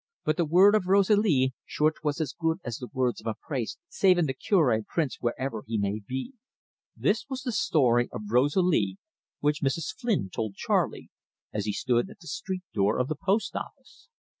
But the word of Rosalie shure 'twas as good as the words of a praste, savin' the Cure prisince wheriver he may be!" This was the story of Rosalie which Mrs. Flynn told Charley, as he stood at the street door of the post office.